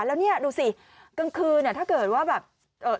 แล้วนี่ดูสิกลางคืนถ้าเกิดว่าแบบ